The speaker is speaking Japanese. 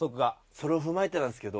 それを踏まえてなんですけど。